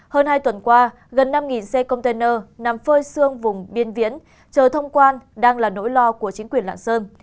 hơn hai tuần qua gần năm xe container nằm phơi xương vùng biên viễn chờ thông quan đang là nỗi lo của chính quyền lạng sơn